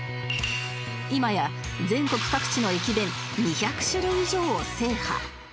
今や全国各地の駅弁２００種類以上を制覇